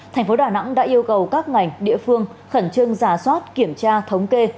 thành phố đà nẵng đã yêu cầu các ngành địa phương khẩn trương giả soát kiểm tra thống kê